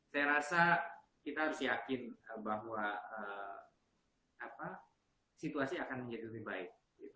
saya rasa kita harus yakin bahwa situasi akan menjadi lebih baik